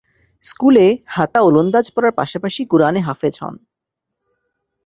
স্কুলে হাতা ওলন্দাজ পড়ার পাশাপাশি কুরআন-এ হাফেজ হন।